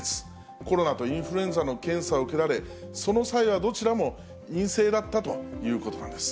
コロナとインフルエンザの検査を受けられ、その際はどちらも陰性だったということなんです。